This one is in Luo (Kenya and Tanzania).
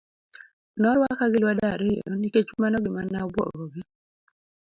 Norwaka gi lwedo ariyo nikech mano gima ne obuogo gi.